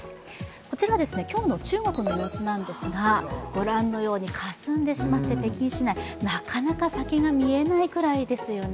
こちら、中国の今日の様子なんですがご覧のように、かすんでしまって北京市内なかなか先が見えないくらいですよね。